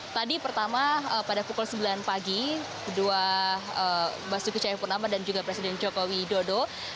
tadi pertama pada pukul sembilan pagi kedua basuki cahayapurnama dan juga presiden joko widodo